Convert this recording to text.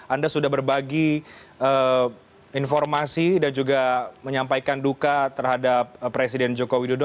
anda sudah berbagi informasi dan juga menyampaikan duka terhadap presiden joko widodo